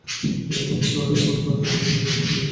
এখন ধরা যাক লিটন ও রিটন দুই যমজ ভাই পঞ্চম শ্রেণিতে পড়ে।